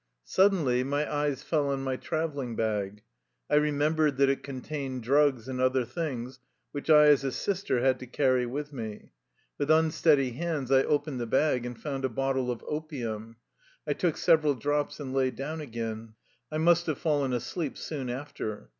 Suddenly my eyes fell on my traveling bag. I remembered that it contained drugs and other things which I, as a " Sister/' had to carry with me. With unsteady hands I opened the bag, and found a bottle of opium. I took several drops and lay down again. I must have fallen asleep soon after.